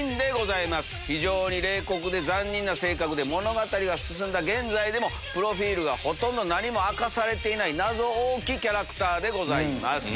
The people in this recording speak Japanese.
物語が進んだ現在もプロフィルがほとんど何も明かされていない謎多きキャラクターでございます。